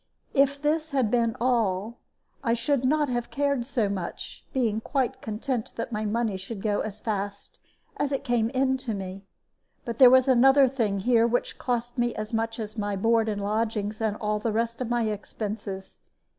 If this had been all, I should not have cared so much, being quite content that my money should go as fast as it came in to me. But there was another thing here which cost me as much as my board and lodgings and all the rest of my expenses.